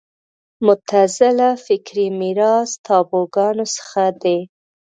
معتزله فکري میراث تابوګانو څخه دی